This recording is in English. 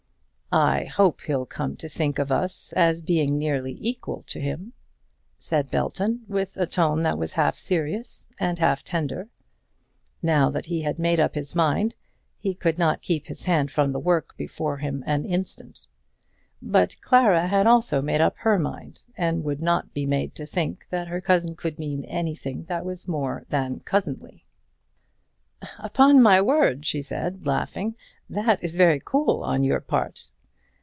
"I hope he'll come to think of us as being nearly equally near to him," said Belton, with a tone that was half serious and half tender. Now that he had made up his mind, he could not keep his hand from the work before him an instant. But Clara had also made up her mind, and would not be made to think that her cousin could mean anything that was more than cousinly. "Upon my word," she said, laughing, "that is very cool on your part."